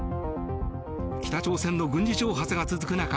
北朝鮮の軍事挑発が続く中